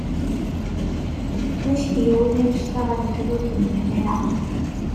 Acu d-yiwin anect-a ɣer yelli ur d-nban ara?